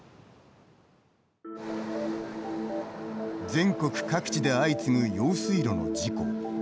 全国各地で相次ぐ用水路の事故。